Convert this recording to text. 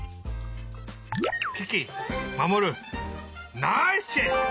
キキマモルナイスチェック！